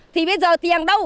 thì bây giờ tiền đâu